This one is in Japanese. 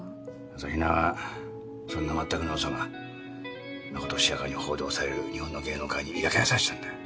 朝比奈はそんなまったくのウソがまことしやかに報道される日本の芸能界に嫌気がさしたんだよ。